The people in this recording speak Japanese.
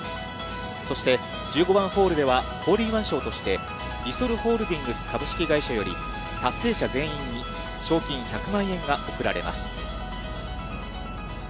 そして１５番ホールではホールインワン賞として、リソルホールディングス株式会社より達成者全員に賞金１００万円が贈られます。